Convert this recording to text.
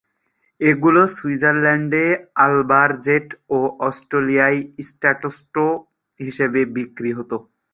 এগুলো সুইজারল্যান্ডে আলবার জেট এবং অস্ট্রিয়ায় স্ট্রাটো হিসেবে বিক্রি হতো।